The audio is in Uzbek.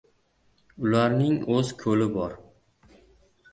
Ularning oʻz koʻli bor.